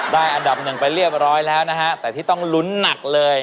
อันดับหนึ่งไปเรียบร้อยแล้วนะฮะแต่ที่ต้องลุ้นหนักเลย